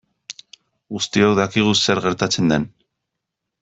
Guztiok dakigu zer gertatzen den.